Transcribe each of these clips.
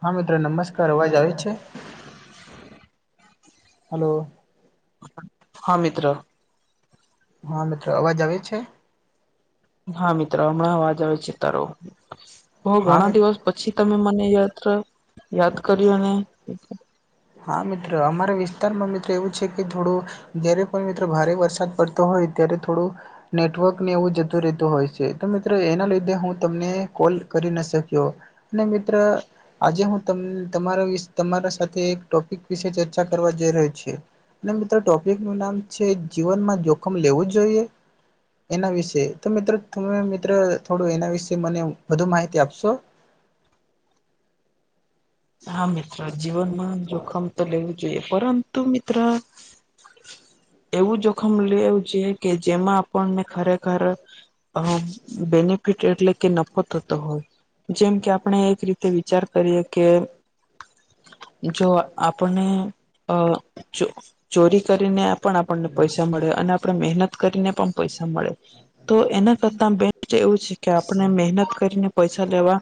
હા મિત્ર નમસ્કાર અવાજ આવે છે હલો હા મિત્ર હા મિત્ર અવાજ આવે છે હા મિત્રો હમણાં અવાજ આવે છે તારો હા મિ ઘણા દિવસ પછી તમે મને યાત્ર યાદ કરીયુ ને હા મિત્ર અમારા વિસ્તારમાં મિત્ર એવું છે કે થોડું જયારે પણ મિત્ર ભારે વરસાદ પડતો હોય ત્યારે થોડુ નેટવર્કને એવું જતું રહેતું હોય છે. તો મિત્રો એના લીધે હું તમને કોલ કરી ના શક્યો- અને મિત્ર આજે હું ત તમારા વિ તમારા સાથે એક- ટોપિક વિશે ચર્ચા કરવા જ ર છએ- મિત્રો ટોપિક નું નામ છે જીવનમાં જોખમ લેવું જોઈએ- એના વિશે તો મિત્રો તમે મિત્ર થોડું એના વિશે મને વધુ માહિતી આપશો- હા મિત્ર જીવનમાં જોખમ તો લેવું જોઈએ પરંતુ મિત્ર- એવું જોખમ લેવું છે કે જેમાં આપણને ખરેખર- અ બેનિફિટ એટલે કે નફો થતો હોય. જેમ કે આપણે એક રીતે વિચાર કરીએ કે- જો આપણને અ જો- ચોરી કરીને પણ આપણને પૈસા મળે અને આપણે મહેનત કરીને પણ પૈસા મળે- તો એના કરતા બેસ્ટ એવું- કે આપણે મહેનત કરીને પૈસા લેવા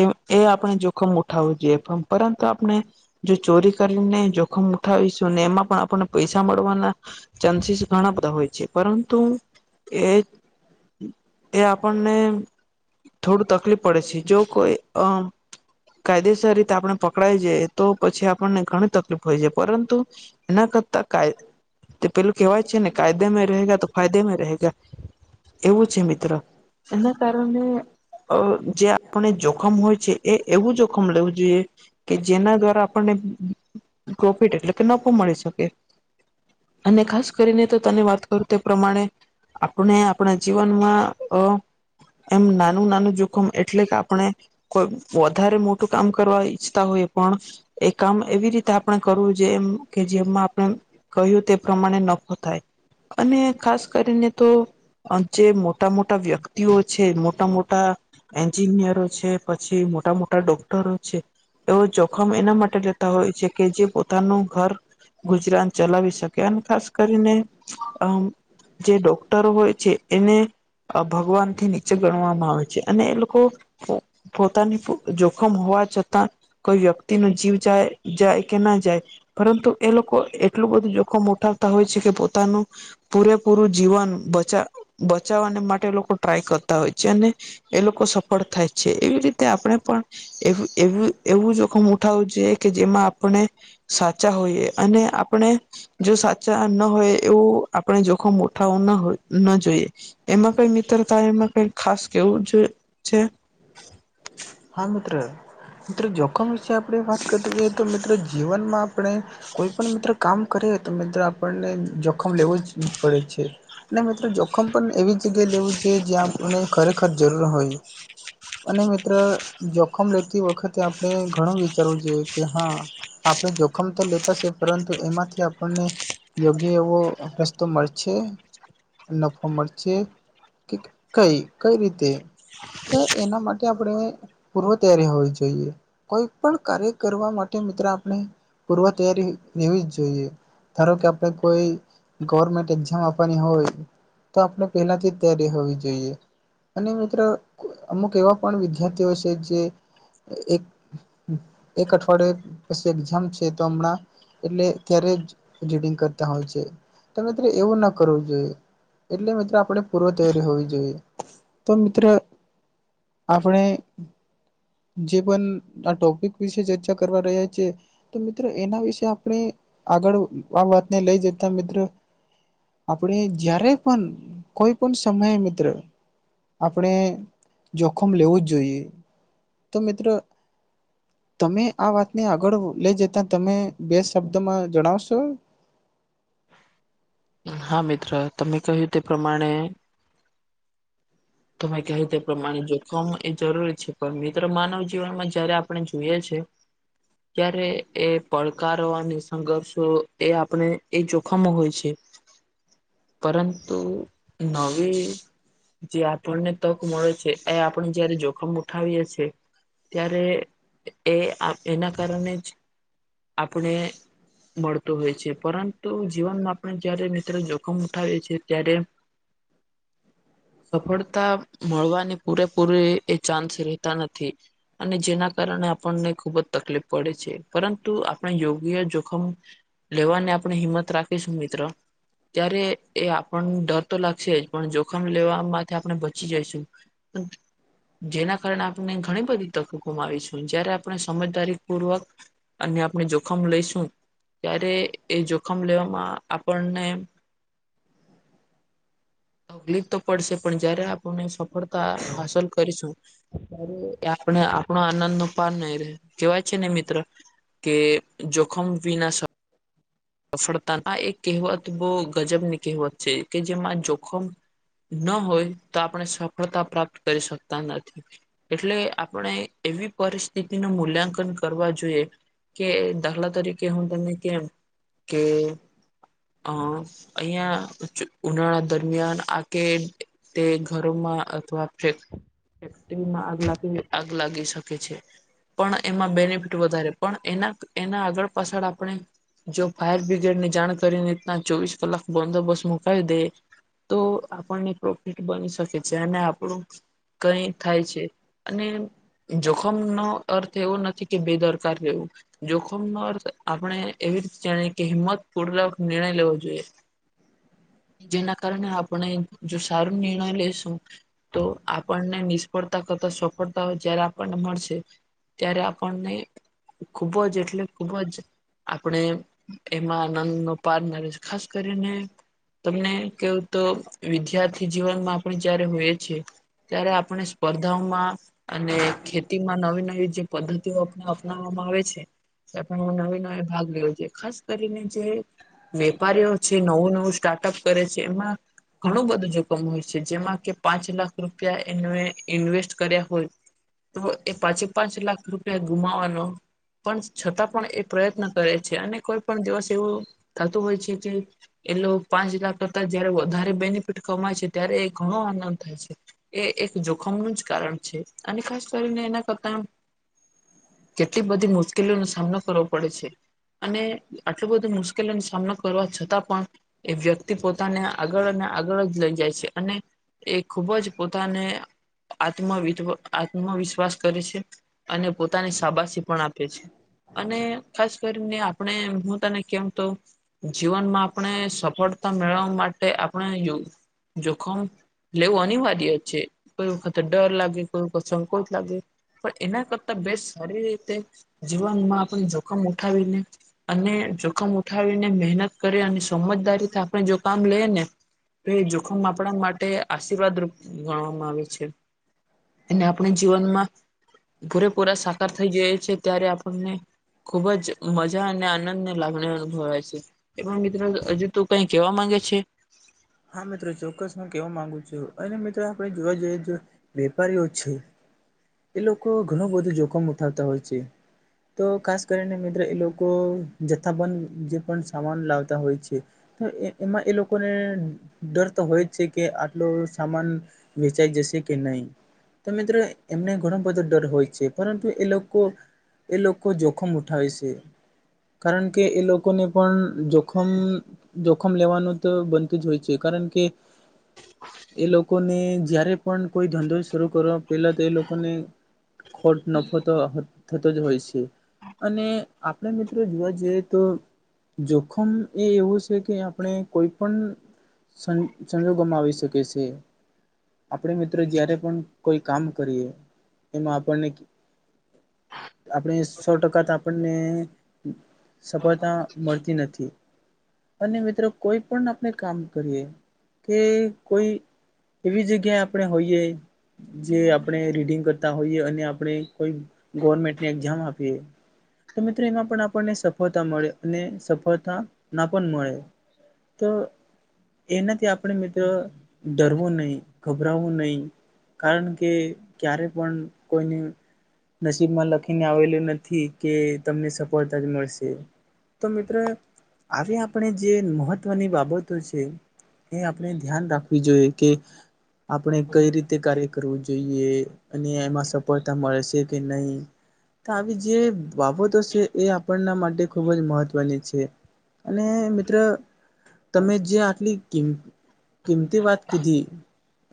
એ એ આપણે જોખમ ઉઠાવવું જોઈએ- પરંતુ આપણે- જો ચોરી કરીને જોખમ ઉઠાવીશું એમાં પણ આપણને પૈસા મળવાના- ચાન્સીસ ઘણા બધા હોય છે પરંતુ એ- એ આપણને- થોડું તકલીફ પડે છે જો કોઈ અ કાયદેસર રીતે આપણે પકડાય? તો પછી આપણને ઘણી તકલીફ હોય છે પરંતુ એના કરતા કા- તે પેલું કવાય છે ને કાયદેમાં રહે તો ફાયદેમાં રહે- એવું છે મિત્રો એ- કારણે જે આપણે જોખમ હોય છે એ એવું જોખમ લેવું જોઈએ- કે જેના દ્વારા આપણને પ્રોફિટ એટલે કે નફ મળી શકે- અને ખાસ કરીને તો તને વાત કરું તે પ્રમાણે- આપણે આપણા જીવનમાં અ એમ નાનું નાનું જોખમ એટલે કે આપણે કોઈ વધારે મોટું કામ કરવા- હોય પણ એ કામ એવી રીતે આપણે કરવું જે એમ કે જેમમાં આપણે- કહ્યું તે પ્રમાણે નફો થાય અને ખાસ કરીને તો- જે મોટા મોટા વ્યક્તિઓ છે મોટા મોટા- એન્જિનિયરો છે પછી મોટા મોટા ડોક્ટરો છે. એવો જોખમ એના માટે લેતા હોય છે કે જે પોતાનું ઘર- ગુજરાત ચલાવી શકે અને ખાસ કરીને આ- જે ડોક્ટરો હોય છે એને- ભગવાન થી નીચે ગણવામાં આવે છે અને એ લોકો- પોતાની જોખમ હોવા છતાં- કોઈ વ્યક્તિ ન જીવ જાય જાય કે ના જાય- પરંતુ એ લોકો એટલું બધું જોખમ ઉઠાવતા હોય છે કે પોતાનું- પૂરેપૂરું જીવન બચા બચાવવાને માટે લોકો ટ્રાય કરતા હોય છે અને- એ લોકો સફળ થાય છે એવી રીતે આપણે પણ એ- એવું એવું જોખમ ઉઠાવું છે કે જેમાં આપણે- સાચા હોઈએ અને આપણે- જો સાચા ન હોય એવું આપણે જોખમ મોઠા હો ન જોઈએ- એમાં કઈ મિત્રતા એમાં કઈ ખાસ કેવું છે. હા મિત્રો મિત્રો જોખમ વિશે આપણે વાત કરતા હોઈએ તો મિત્રો જીવનમાં આપણે- કોઈ પણ મિત્રો કામ કરે તો મિત્ર આપણને જોખમ લેવો જ પડે છે. ને મિત્રો જોખમ પણ એવી જ- જગ્યાએ લેવું છે જ્યાં આપને ખરેખર જરૂર હોય અને મિત્ર- જોખમ લેતી વખતે આપણે ઘણું વિચારવું જોઈ કે હા- આપણે જોખમ તો લેતા છે પરંતુ એમાંથી આપણને- યોગી એવો રસ્તો મળે છે? નફો મળશે કે કઈ કઈ રીતે કે એના માટે આપણે પૂર્વ ત્યારે હોવી જોઈએ કોઈ પણ કાર્ય કરવા માટે મિત્ર આપણે પૂર્વ તૈયારી લેવી જ જોઈએ ધારો કે આપણે કોઈ ગવર્મેન્ટ એક્ઝામ આપવાની હોય તો આપણે પહેલાથી જ તૈારી હોવી જોઈએ અને મિત્ર અમુક એવા પણ વિદ્યાર્થીઓ છે જે એક એક અઠવાડયે પછી એજામ છે તો હમણાં એટલે ત્યારે જીડિંગ કરતા હોય છે ત ત એવું ના કરવું જોઈએ એટલે મિત્રો આપણે પૂર્વ તૈયારી હોવી જોઈએ તો મિત્રો આપણે જે પણ આ ટોપિક વિશે ચર્ચા કરવા રહ્યા છે. તો મિત્રો એના વિશે આપણે આગળ આ વાતને લઈ જતા મિત્રો આપણે જ્યારે પણ કોઈ પણ સમયે મિત્ર આપણે જોખમ લેવું જ જોઈએ તો મિત્રો તમે આ વાતને આગળ લઈ જતા તમે બે શબ્દમાં જણાવશો હા મિત્ર તમે કહ્યું તે પ્રમાણે તમે કતે પ્રમાણે જોખમ એ જરૂરી છે પણ મિત્રો માનવ જીવનમાં જયારે આપણે જોઈએ છે. ત્યારે એ પડકારવાની સંઘર્ષો એ આપણે એ જોખમો હોય છે. [inaudible] પરંતુ નવી જે આપણને તક મળે છે. અ આપણે જયારે જોખમ ઉઠાવીએ છીએ ત્યારે એ એના કારણે જ આપણે મળત હોય છે પરંતુ જીવનમાં પણ જય્યારે મિત્રો જોખમ ઉઠાવે છે ત્યારે સફળ તા મળવાની પૂરેપૂરી એ ચાન્સ રહેેતા નથી. અને જેના કારણે આપણને ખુબ જ તકલીફ પડે છે પરંતુ આપણે યોગ્ય જોખમ લેવાને આપણે હિંમત રાખીશું મિત્રો ત્યારે એ આપણને ડર તો લાગશે જ પણ જોખમ લેવા માટેથી આપણે બચી જઈશું. જેના કારણે આપણે ઘણી બધી તક ગમા આવી છેું જયારે આપણે સમજદારી પૂર્વક અને આપણે જોખમ લઈશું ત્યારે એ જોખમ લેવામાં આપણને તકલીફ તો પડશે પણ જયારે આપણને સફળતા હલ કરીશું ત્યારે આપણે આપણો આનંદ નું પાન નહી રહે કેવાય છે ને મિત્ર કે જોખમ વિના શ ફડતા હ એક કહેવત બહ ગજબની કહેવત છે. કે જેમાં જોખમ ન હોય તો આપણે સફળતા પ્રાપ્ત કરી શકતા નથી. એટલે આપણે એવી પરિસ્થિતિ નું મૂલ્યાંકન કરવા જોઈએ કે દાખલા તરીકે હું તમને કેમ કે અ અહિયાં ઉનાળા દરમિયાન આ કે તે ઘરોમાં અથવા છે. ફેક્ટરીમાં આગ લાગી આગ લાગી શકે છે. પણ એમાં બેનિફિટ વધારે પણ એના એના આગળ પાછળ આપણે જો ફાયર બ્રિગેડ ની જાણ કરી નીતના ચોવીસ કલાક બંદોબસ્ત મુકાવ દે તો આપણને પ્રોફિટ બની શકે છે અને આપણું કઈ થાય છે અને જોખમ નો અર્થ એવો નથી કે બેદરકાર રહેવું જોખમ નો અર્થ આપણે એવી રી હિંમત પૂર્વક નિર્ણય લેવો જોઈએ જેના કારણે આપણે જો સારું નિર્ણય લેેશુ તો આપણને સફળતા કરતા સફળતા જયારે આપણને મળશે ત્યારે આપણને ખૂબ જ એટલે ખુબ જ આપણે એમાં આનંદ નો પાર મળે છે ખાસ કરીને તમને કેવું તો વિદ્યાર્થી જીવનમાં આપણે જયારે હોઈએ છીએ. ત્યારે આપણે સ્પર્ધાઓમાં અને ખેતી માં નવી નવી જે પદ્ધતિઓ અપનાવવામાં આવે છે. એ પણ હું નવી નવી ભાગ લેઉ ખાસ કરીને જે વેપારીઓ છે નવું નવું સ્ટાર્ટઅપ કરે છે એમાં ઘણું બધું જોખમ હોય છે જેમાં કે પાંચ લાખ રૂપિયા ઇન્વ ઇન્વેસ્ટ કર્યા હોય તો એ પાંચે પાંચ લાખ રૂપિયા ગુમાવાનો પણ છતાં પણ એ પ્રયત્ન કરે છે અને કોઈ પણ દિવસ એવું થતું હોય છે કે એ લો પાંચ લાખ કરતા જયારે વધારે બેનિફિટ કમાય છે ત્યારે એ ઘણો આનંદ થાય છે એ એક જોખમનુ જ કારણ છે. અને ખાસ કરીને એના કરતા આમ કેટલી બધી મુશ્કેલીઓ નો સામનો કરવો પડે છે. અને આટલું બધું મુશ્કેલીનો સામનો કરવા છતાં પણ એ વ્યક્તિ પોતાને આગળ અને આગળ જ લઈ જાય છે અને એ ખુબ જ પોતાને આત્મ વિત્વ આત્મવિશ્વાસ કરે છે અને પોતાની શાબાશી પણ આપે છે. અને ખાસ કરીને આપણે હું તને કેવુતો જીવનમાં આપણે સફળતા મેળવવા માટે આપણે યો જોખમ લેવું અનિવાર્ય છે કોઈ વખત ડર લાગે કોઈ વખત સંકોચ લાગે પણ એના કરતા બે સારી રીતે જીવનમાં આપણે જોખમ ઉઠાવીને અને જોખમ ઉઠાવીને મહેનત કરે અને સમજદારીથી આપણે જો કામ લઈએ ને. તો એ જોખમ આપણા માટે આશીર્વાદ રુપ ગણવામાં આવે છે. અને આપણે જીવનમાં પૂરેપૂરા સાકાર થઈ જઈ છે ત્યારે આપણને ખુબ જ મજા અને આનંદ ને લાગણી અનુભવાય છે એમાં મિત્રો હજુ તો કઈ કેવા માંગે છે. હા મિત્ર ચોક્કસ હું કેવવા માંગુ છું અને મિત્રો આપણે જોવા જઈએ તો વેપારીઓ છે એ લોકો ઘણું બધું જોખમ ઉઠાવતા હોય છે. તો ખાસ કરીને મિત્ર એ લોકો જથ્થાબંધ જે પણ સામાન લાવતા હોય છે. તો એકમાં એ લોકોને ડર તો હોય જ છે કે આટલો સામાન વેચાઈ જશે કે નહી. તો મિત્રો એમને ઘણો બધો ડર હોય છે પરંતુ એ લોકો એ લોકો જોખમ ઉઠાવે સે. કારણ કે એ લોકોને પણ જોખમ જોખમ લેવાનું તો બનતું જ હોય જે કારણ કે. એ લોકોને જયારે પણ કોઈ ધંધો શરૂ કરવા પેલા તો એ લોકોને ખોટ નફો તો થતો જ હોય છે. અને આપણે મિત્ર જોવા જઈએ તો જોખમ એ એવું છે કે આપણે કોઈ પણ સં સંજોગોમાં આવી શકે છે. આપણે મિત્ર જયારે પણ કોઈ કામ કરીએ એમાં આપણને આપણે સો ટકા તો આપણને સફળતા મળતી નથી અને મિત્રો કોઈ પણ આપણે કામ કરીએ કે કોઈ એવી જગ્યા આપણે હોઈએ. જે આપણે રીડિંગ કરતા હોઈએ અને આપણે કોઈ ગોવરમેન્ટન એઝામ આપીએ. તો મિત્રો એમાં પણ આપણને સફળતા મળે અને સફળતા ના પણ મળે. તો એનાથી આપણે મિત્રો ડરવું નહી ગભરાવું નહી. કારણ કે ક્યારે પણ કોઈને નસીબમાં લખીને આવેલું નથી કે તમને સફળતા જ મળશે. તો મિત્રો આવી આપણે જે મહત્વની બાબતો છે. એ આપણે ધ્યાન રાખવી જોઈએ કે આપણે કઈ રીતે કાર્ય કરવું જોઈએ અને એમાં સફળતા મળશે કે નહી. આવી જે બાબતો છે એ આપણના માટે ખૂબ જ મહત્વની છે. અને મિત્ર તમે જે આટલી કિમ કિંમતી વાત કીધી.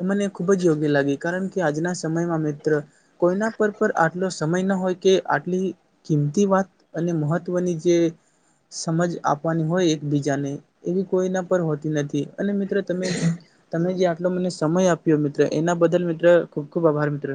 મને ખુબ જ યોગ્ય લાગી કારણ કે આજના સમયમાં મિત્ર કોઈના પર પર આટલો સમય ન હોય કે આટલી કિંમતી વાત અને મહત્વની જે સમજ આપવાની હોય એકબીજાને એવી કોઈના પર હોતી નથી. અને મિત્રો તમે તમે જે તમને સમય આપ્યો મિત્ર એના બદલ મિત્રો ખુબ ખુબ આભાર મિત્ર.